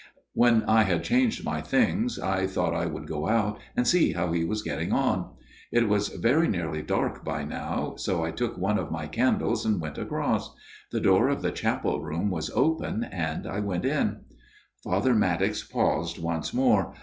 " When I had changed my things I thought I would go out and see how he was getting on. It was very nearly dark by now, so I took one of my candles and went across. The door of the chapel room was open and I went in/' Father Maddox paused once more.